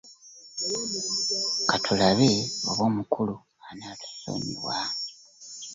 Ka tulabe oba omukulu anaatusonyiwa.